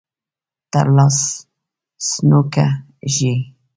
ته لا سونګه ږې.